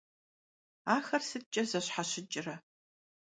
Axer sıtç'e zeşheşıç're?